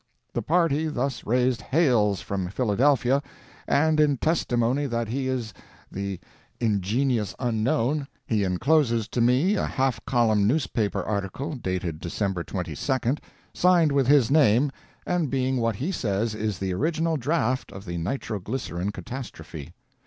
The party thus raised hails from Philadelphia, and in testimony that he is the "ingenious unknown," he encloses to me a half column newspaper article, dated December 22, signed with his name, and being what he says is the original draft of the nitro glycerine catastrophe.